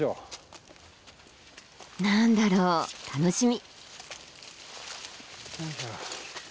何だろう楽しみ。